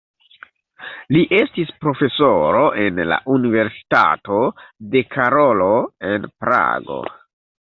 Li estis profesoro en la Universitato de Karolo en Prago.